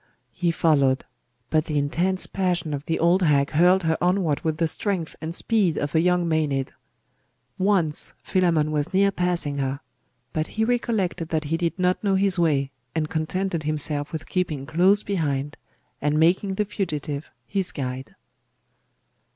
He followed: but the intense passion of the old hag hurled her onward with the strength and speed of a young Maenad. Once Philammon was near passing her. But he recollected that he did not know his way, and contented himself with keeping close behind, and making the fugitive his guide.